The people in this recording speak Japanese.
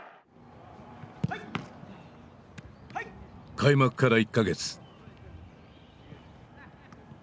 開幕から１か月。